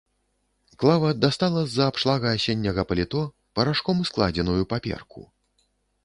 Клава дастала з-за абшлага асенняга паліто парашком складзеную паперку.